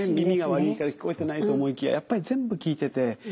耳が悪いから聞こえてないと思いきややっぱり全部聞いてて。